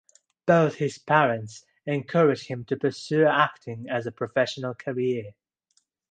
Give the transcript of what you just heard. Both his parents encouraged him to pursue acting as a professional career.